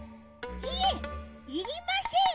いえいりません。